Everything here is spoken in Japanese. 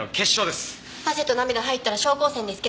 汗と涙入ったら証拠汚染ですけど。